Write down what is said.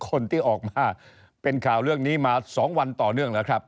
คนที่ออกมาเป็นข่าวเรื่องนี้มาสองวันต่อเนื่อง